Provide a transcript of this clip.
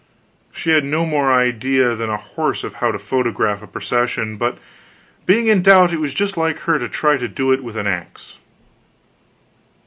She had no more idea than a horse of how to photograph a procession; but being in doubt, it was just like her to try to do it with an axe.